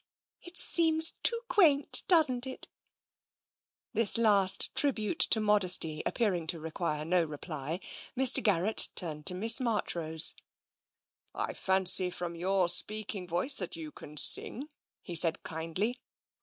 It seems too quaint, doesn't it ?" This last tribute to modesty appearing to require no reply, Mr. Garrett turned to Miss Marchrose. " I fancy from your speaking voice that you can sing," he said kindly.